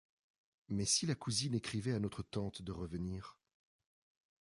Mais si la cousine écrivait à notre tante de revenir?